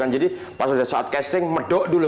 jadi saat casting medok dulu